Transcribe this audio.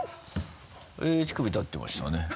えぇ乳首立ってましたね。